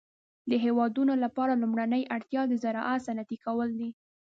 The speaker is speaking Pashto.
د هيوادونو لپاره لومړنۍ اړتيا د زراعت صنعتي کول دي.